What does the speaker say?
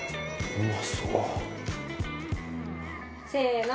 「うまそう」せーの。